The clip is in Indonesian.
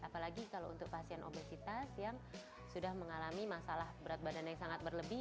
apalagi kalau untuk pasien obesitas yang sudah mengalami masalah berat badan yang sangat berlebih